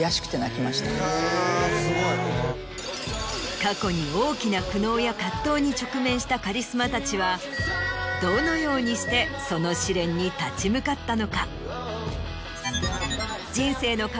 過去に大きな苦悩や葛藤に直面したカリスマたちはどのようにしてその試練に立ち向かったのか？